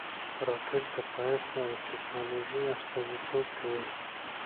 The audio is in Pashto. راکټ د پایښت د ټېکنالوژۍ استازیتوب کوي